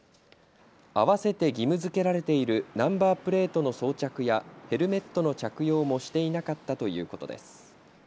合わせて義務づけられているナンバープレートの装着やヘルメットの着用もしていなかったということです。